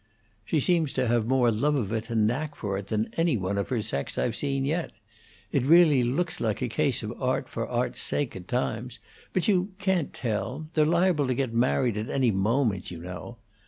"She seems to have more love of it and knack for it than any one of her sex I've seen yet. It really looks like a case of art for art's sake, at times. But you can't tell. They're liable to get married at any moment, you know.